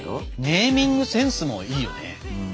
ネーミングセンスもいいよね。